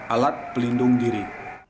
alat pelindung diri